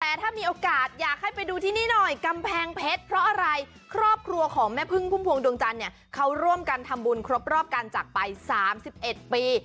แต่ถ้ามีโอกาสอยากให้ไปดูที่นี่หน่อยกำแพงเพชรเพราะอะไรครอบครัวของแม่พึ่งพุ่มพวงดวงจันทร์เนี่ยเขาร่วมกันทำบุญครบรอบการจักรไป๓๑ปี